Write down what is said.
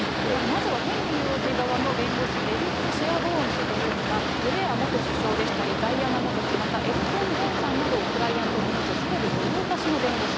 まずはヘンリー王子側の弁護士、デビッド・シェアボーン氏というのが、ブレア元首相でしたり、ダイアナ元妃、またエルトン・ジョンさんなどをクライアントに持つセレブ御用達の弁護士。